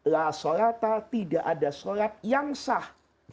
la sholatal tidak ada sholat yang sah